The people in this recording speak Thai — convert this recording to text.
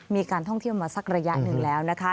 มีการท่องเที่ยวมาสักระยะหนึ่งแล้วนะคะ